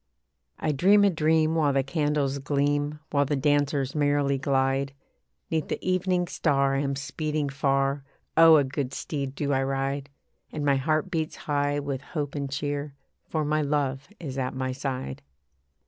I dream a dream while the candles gleam, While the dancers merrily glide. Neath the evening star I am speeding far, Oh! a good steed do I ride; And my heart beats high with hope and cheer, For my love is at my side.